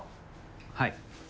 はい。